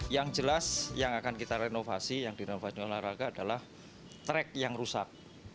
yang jelas yang akan kita renovasi yang di renovasi olahraga adalah trek yang rusak